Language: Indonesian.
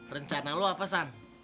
rencana lu apa san